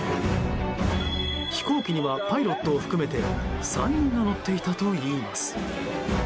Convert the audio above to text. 飛行機にはパイロット含めて３人が乗っていたといいます。